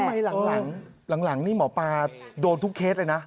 ทำไมหลังหลังหลังหลังนี่หมอปลาโดนทุกเคสเลยนะ